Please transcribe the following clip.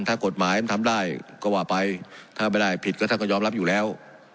ถ้ากฎหมายมันทำได้ก็ว่าไปถ้าไม่ได้ผิดก็ท่านก็ยอมรับอยู่แล้ว